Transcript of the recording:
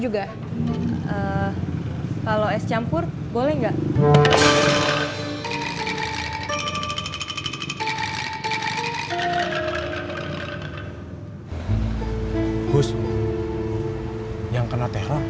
gak usah teh